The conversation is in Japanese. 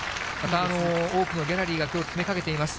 多くのギャラリーがきょうは詰めかけています。